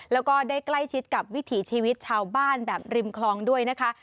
แล้วก็ได้ใกล้ชิดกับวิถีชีวิตชาวบ้านแบบริมคลองด้วยนะคะ